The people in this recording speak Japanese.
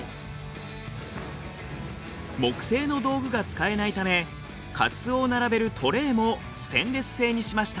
木製の道具が使えないためカツオを並べるトレーもステンレス製にしました。